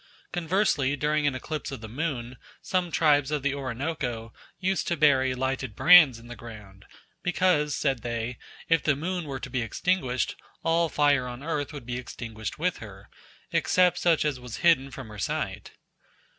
Conversely during an eclipse of the moon some tribes of the Orinoco used to bury lighted brands in the ground; because, said they, if the moon were to be extinguished, all fire on earth would be extinguished with her, except such as was hidden from her sight.